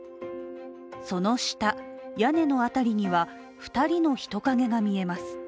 その下、屋根の辺りには２人の人影が見えます。